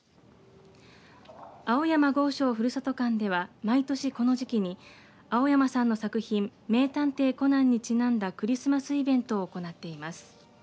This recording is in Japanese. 青山剛昌ふるさと館では毎年、この時期に青山さんの作品名探偵コナンにちなんだクリスマスイベントを行っています。